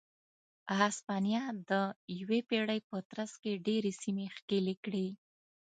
هسپانیا د یوې پېړۍ په ترڅ کې ډېرې سیمې ښکېلې کړې.